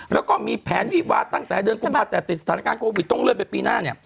แล้วก็มีแผนวิวาตั้งแต่เดือนกุมภาแต่ติดสถานการณ์โควิดต้องเลื่อนไปปีหน้าเนี่ย